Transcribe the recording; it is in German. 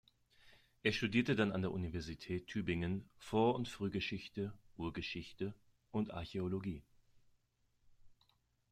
Er studierte dann an der Universität Tübingen "Vor- und Frühgeschichte", "Urgeschichte" und "Archäologie".